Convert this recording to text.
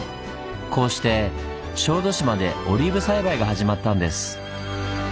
こうして小豆島でオリーブ栽培が始まったんです。